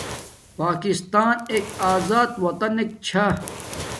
پاکستان ایک ازا اطن نک چھا